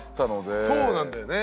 そうなんだよね。